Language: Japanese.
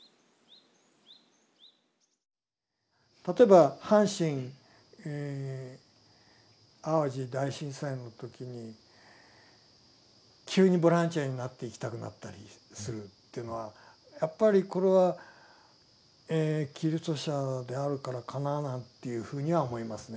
例えば阪神・淡路大震災の時に急にボランティアになって行きたくなったりするというのはやっぱりこれはキリスト者であるからかななんていうふうには思いますね。